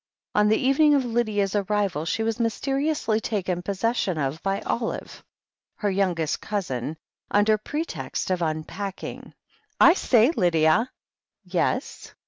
On the evening of Lydia's arrival she was mysteri ously taken possession of by Olive, her youngest cousin, imder pretext of unpacking. "I say, Lydia." "Yes?"